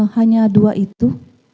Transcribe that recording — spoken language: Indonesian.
hanya dua itu